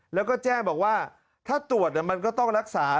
แล้วก็แจ้งบอกว่าถ้าตรวจมันก็ต้องรักษา